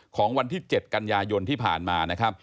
ของวันที่๗กันยายนที่ผ่านมานะครับ